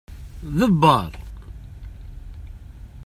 Ḍebbeṛ.